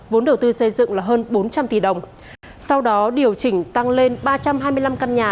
vốn đầu tư xây dựng là hơn bốn trăm linh tỷ đồng sau đó điều chỉnh tăng lên ba trăm hai mươi năm căn nhà